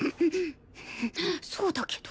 そうだけど。